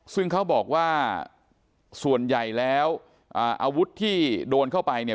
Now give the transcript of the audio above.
ซึ่งเขาบอกว่าส่วนใหญ่แล้วอาวุธที่โดนเข้าไปเนี่ย